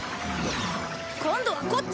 今度はこっち！